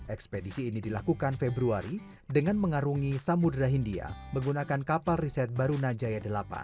ekspedisi ini dilakukan februari dengan mengarungi samudera hindia menggunakan kapal riset baru najaya delapan